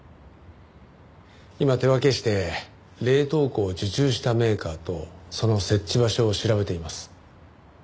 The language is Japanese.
今手分けして冷凍庫を受注したメーカーとその設置場所を調べています。